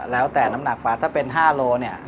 แล้วแต่น้ำหนักปลาถ้าเป็น๕โลเนี่ย